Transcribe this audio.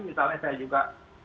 misalnya saya juga